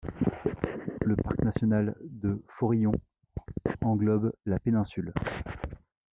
Le parc national de Forillon englobe la péninsule.